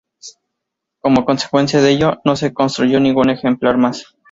Como consecuencia de ello, no se construyó ningún ejemplar más.